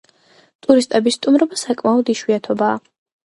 ტურისტების სტუმრობა საკმაოდ იშვიათობაა.